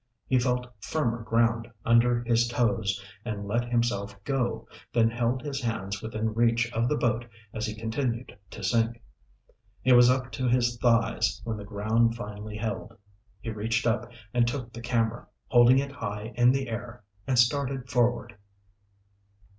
He felt firmer ground under his toes and let himself go, then held his hands within reach of the boat as he continued to sink. He was up to his thighs when the ground finally held. He reached up and took the camera, holding it high in the air, and started forward.